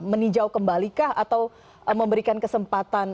meninjau kembalikah atau memberikan kesempatan